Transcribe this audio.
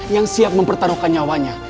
yang siap mempertaruhkan nyawanya